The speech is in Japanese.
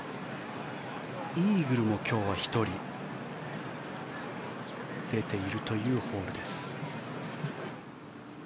イーグルも今日は１人出ているというホールです。